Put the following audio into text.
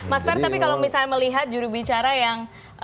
mas ferry tapi kalau misalnya melihat jurubicara yang